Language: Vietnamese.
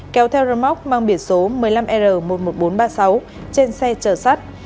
kéo theo rơ móc mang biển số một mươi năm r một mươi một nghìn bốn trăm ba mươi sáu trên xe chở sắt